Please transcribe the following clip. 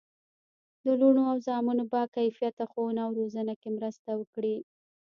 د لوڼو او زامنو په باکیفیته ښوونه او روزنه کې مرسته وکړي.